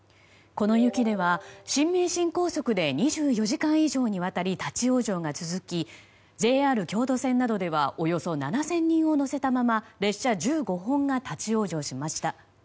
この雪では新名神高速で２４時間以上にわたり立ち往生が続きＪＲ京都線などではおよそ７０００人を乗せたまま列車１５本が立ち往生しました。